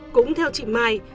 cũng theo chị my